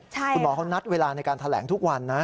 คุณหมอเขานัดเวลาในการแถลงทุกวันนะ